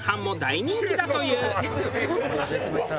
お待たせしました。